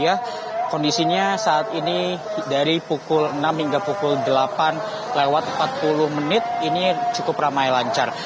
ya kondisinya saat ini dari pukul enam hingga pukul delapan lewat empat puluh menit ini cukup ramai lancar